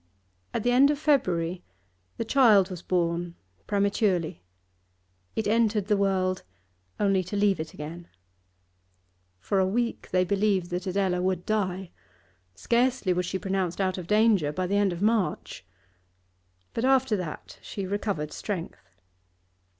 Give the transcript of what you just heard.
At the end of February the child was born prematurely; it entered the world only to leave it again. For a week they believed that Adela would die. Scarcely was she pronounced out of danger by the end of March. But after that she recovered strength.